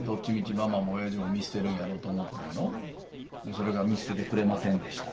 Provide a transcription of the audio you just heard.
それが見捨ててくれませんでした。